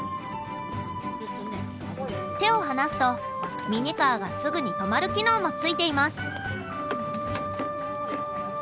手を離すとミニカーがすぐに止まる機能もついています。